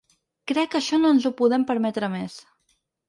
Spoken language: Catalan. Crec que això no ens ho podem permetre més.